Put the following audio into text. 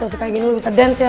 terus kayak gini lu bisa dance ya